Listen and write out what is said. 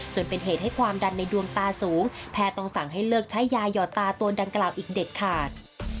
จนเป็นเหตุให้ความดันในดวงตาสูงแพทย์ต้องสั่งให้เลิกใช้ยาหยอดตาตัวดังกล่าวอีกเด็ดขาด